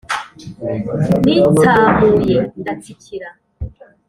nitsamuye ndatsikira